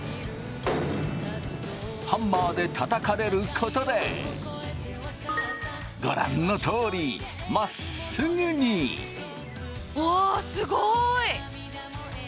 ハンマーでたたかれることでご覧のとおりまっすぐに。わすごい！